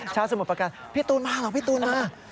สมุทรประการพี่ตูนมาเหรอพี่ตูนมา